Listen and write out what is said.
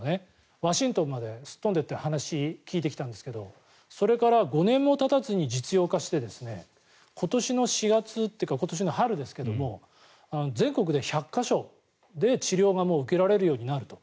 ワシントンまですっ飛んで行って話を聞いてきたんですがそれから５年もたたずに実用化して今年の４月というか今年の春ですけども全国で１００か所で治療が受けられるようになると。